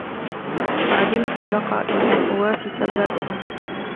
عدمت اللقا إن لم أوافك زائرا